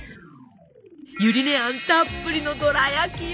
ゆり根あんたっぷりのどら焼きよ！